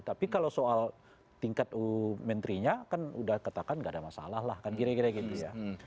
tapi kalau soal tingkat menterinya kan udah katakan gak ada masalah lah kan kira kira gitu ya